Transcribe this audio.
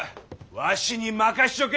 わしに任しちょけ！